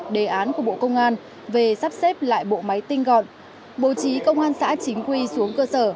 đề án của bộ công an về sắp xếp lại bộ máy tinh gọn bố trí công an xã chính quy xuống cơ sở